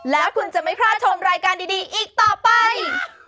แล้วคุณจะไม่พลาดชมรายการดีอีกต่อไป